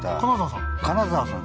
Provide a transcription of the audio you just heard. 金沢さん？